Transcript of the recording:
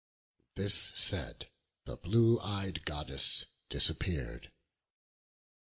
This said, the blue ey'd Goddess disappear'd.